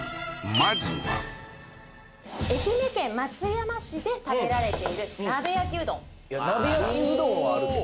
まずは愛媛県松山市で食べられている鍋焼きうどん